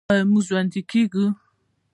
آیا موږ ژوندي کیږو؟